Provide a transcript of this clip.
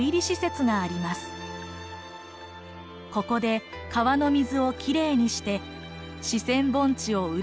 ここで川の水をきれいにして四川盆地を潤すようにしています。